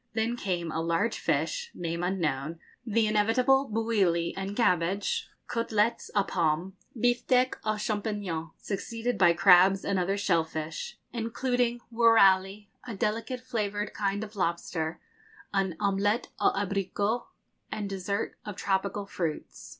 Then came a large fish, name unknown, the inevitable bouilli and cabbage, côtelettes aux pommes, biftek aux champignons, succeeded by crabs and other shellfish, including wurrali, a delicate flavoured kind of lobster, an omelette aux abricots, and dessert of tropical fruits.